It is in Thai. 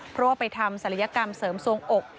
เพราะว่าไปทำศัลยกรรมเสริมสวงอก